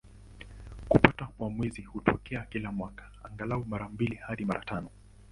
Kupatwa kwa Mwezi hutokea kila mwaka, angalau mara mbili hadi mara tano.